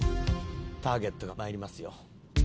ターゲットが参りますよ。